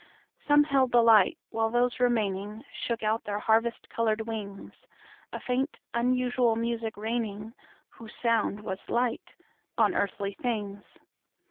Some held the Light, while those remainingShook out their harvest colored wings,A faint unusual music raining,(Whose sound was Light) on earthly things.